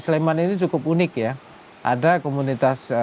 sleman ini cukup unik ya ada komunitas